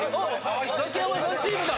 ザキヤマさんチームだ。